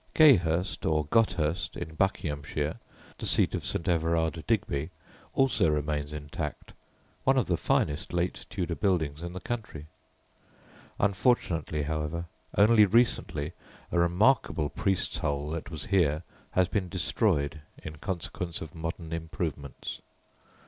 Gayhurst, or Gothurst, in Buckinghamshire, the seat of Sir Everard Digby, also remains intact, one of the finest late Tudor buildings in the country; unfortunately, however, only recently a remarkable "priest's hole" that was here has been destroyed in consequence of modern improvements.